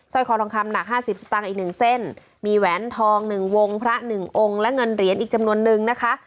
ซ่อยคอทองคำหนัก๕๐บาทอีก๑เส้นมีแหวนทอง๑วงพระ๑องค์และเงินเหรียญอีกจำนวนนึงนะคะ